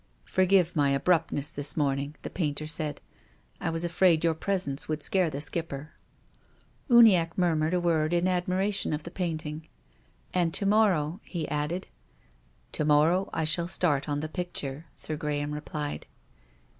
" Forgive my abruptness this morning," the painter said. "I was afraid your presence would scare the Skipper." Uniacke murmured a word in admiration of the painting. "And to morrow," he added. "To morrow I shall start on the picture," Sir Graham replied.